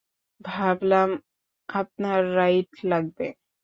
ভাবলাম আপনার রাইড লাগবে।